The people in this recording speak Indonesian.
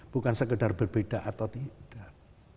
bukan sekedar berbeda atau tidak